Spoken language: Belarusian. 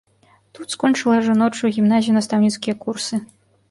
Тут скончыла жаночую гімназію і настаўніцкія курсы.